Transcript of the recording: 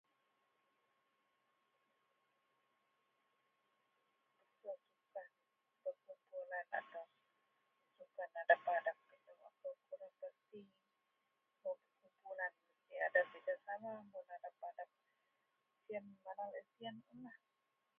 [unintelligible] sukan berkumpulan atau sukan adep-adep... .. [unintelligible] sien mana laie sien lah